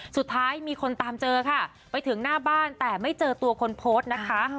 สุดท้ายมีคนตามเจอค่ะไปถึงหน้าบ้านแต่ไม่เจอตัวคนโพสต์นะคะ